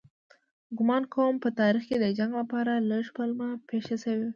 ګومان کوم په تاریخ کې د جنګ لپاره لږ پلمه پېښه شوې وي.